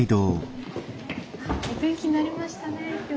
お天気になりましたね今日ね。